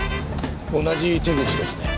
同じ手口ですね。